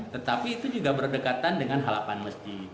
tetapi itu juga berdekatan dengan harapan masjid